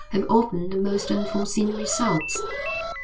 have often the most unforeseen results.